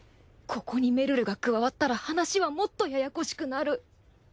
ここにメルルが加わったら話はもっとややこしくなる